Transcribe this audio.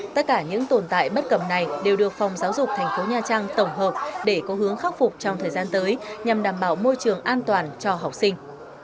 tất cả những tồn tại bất cầm này đều được phòng giáo dục thành phố nha trang tổng hợp để có hướng khắc phục trong thời gian tới nhằm đảm bảo môi trường an toàn cho học sinh